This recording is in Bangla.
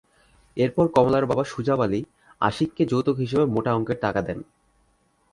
এরপর কমলার বাবা সুজাব আলী আশিককে যৌতুক হিসেবে মোটা অঙ্কের টাকা দেন।